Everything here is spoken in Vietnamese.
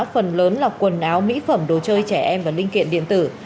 phần lớn là quần áo mỹ phẩm đồ chơi trẻ em và linh kiện điện tử